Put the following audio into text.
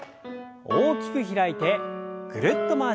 大きく開いてぐるっと回します。